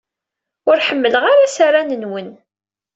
Ur ḥemmleɣ ara asaran-nwen.